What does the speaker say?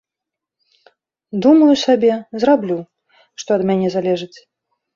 Думаю сабе, зраблю, што ад мяне залежыць.